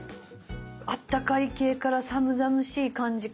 あったかい系から寒々しい感じから。